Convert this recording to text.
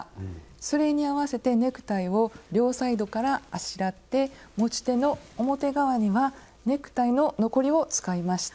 それに合わせてネクタイを両サイドからあしらって持ち手の表側にはネクタイの残りを使いました。